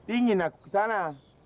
ingin aku kesana